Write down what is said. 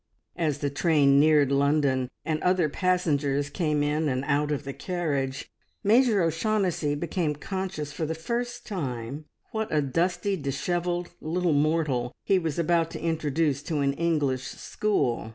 As the train neared London, and other passengers came in and out of the carriage, Major O'Shaughnessy became conscious for the first time what a dusty, dishevelled little mortal he was about to introduce to an English school.